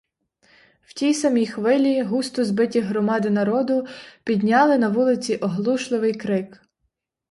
В тій самій хвилі густо збиті громади народу підняли на вулиці оглушливий крик: